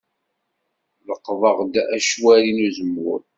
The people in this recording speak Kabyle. Leqḍeɣ-d acwari n uzemmur.